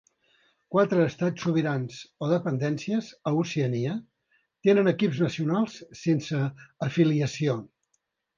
Quatre estats sobirans o dependències a Oceania tenen equips nacionals sense afiliació.